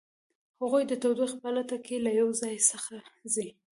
هغوی د تودوخې په لټه کې له یو ځای څخه ځي